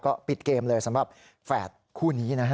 ก็ปิดเกมเลยสำหรับแฝดคู่นี้นะฮะ